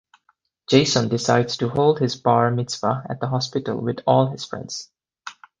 Jason decides to hold his bar mitzvah at the hospital with all his friends.